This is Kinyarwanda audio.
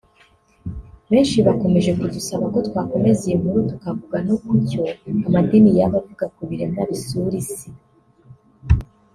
Benshi bakomeje kudusaba ko twakomeza iyi nkuru tukavuga no kucyo amadini yaba avuga ku biremwa bisura isi